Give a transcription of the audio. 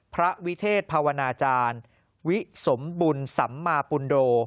พระวิเทศภาวนาจารย์วิสมบุญสัมมาปุณโด